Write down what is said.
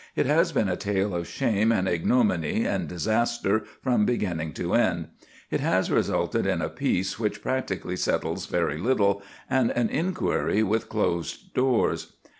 It has been a tale of shame and ignominy and disaster from beginning to end. It has resulted in a peace which practically settles very little, and an inquiry with closed doors.